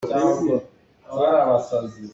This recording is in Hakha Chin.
Biafang pakhat hmanh hrelh lo i zuam.